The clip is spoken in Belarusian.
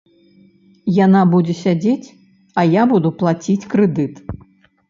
Яна будзе сядзець, а я буду плаціць крэдыт.